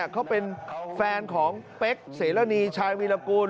เขาเป็นแฟนของเป๊กเสรณีชายวีรกูล